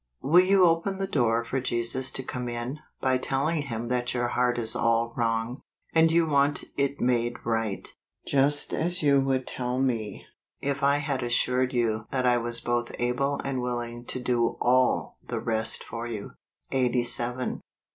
Will you open the door for Jesus to come in, by telling Him that your heart is all wrong, and you want it made right ? Just as you would tell me, if I had assured you that I was both able and willing to do all the rest for you. Eighty Seven.